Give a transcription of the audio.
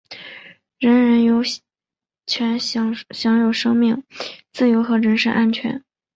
人人有权享有生命、自由和人身安全。